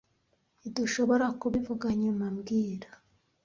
Ntidushobora kubivuga nyuma mbwira